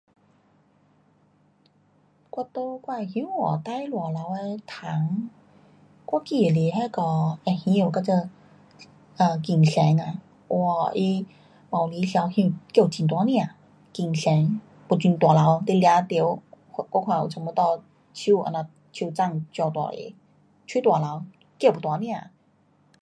我在我的乡下最大只的虫，我记得是那个会响，我这金蝉啊，哇，它晚里的时头响，叫很大声。金蝉，又很大只，你抓到，我看有差不多手这样，手掌这样大个。蛮大只，叫又大声。